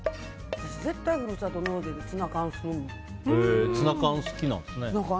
私絶対ふるさと納税でツナ缶、好きなんですね。